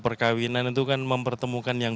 perkawinan itu kan mempertemukan yang